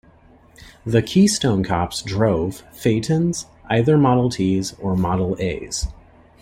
The Keystone Cops drove Phaetons, either Model T's or Model A's.